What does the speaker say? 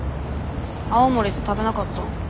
青森で食べなかったん？